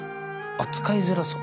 扱いづらそう。